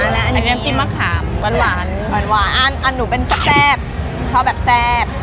แล้วอันนี้น้ำจิ้มมะขามหวานหวานหวานหวานอันอันหนูเป็นแซ่บชอบแบบแซ่บ